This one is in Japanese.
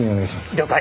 了解。